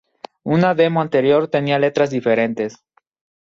Una demo anterior tenía letras diferentes.